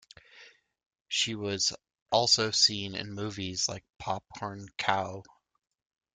She was also seen in movies like Popcorn Khao!